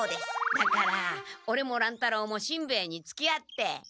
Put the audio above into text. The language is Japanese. だからオレも乱太郎もしんべヱにつきあって。